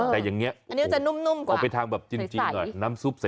แต่อย่างนี้ออกไปทางแบบจริงน้ำซุปใส